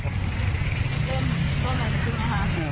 ต้องการตามคุณคราว